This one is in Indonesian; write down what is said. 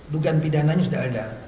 dugaan pidananya sudah ada